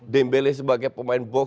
dembele sebagai pemain depan